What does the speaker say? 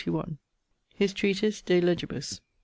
] <_His treatise De Legibus.